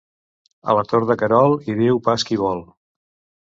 A la Tor de Querol hi viu pas qui vol.